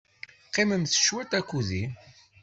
Qqimemt cwit akked-i.